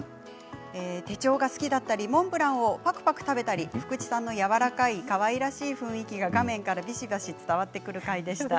手帳が好きだったりモンブランをぱくぱく食べたり福地さんのやわらかいかわいらしい雰囲気が画面からビシバシ伝わってくる回でした。